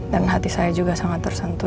dan hati saya juga sangat tersentuh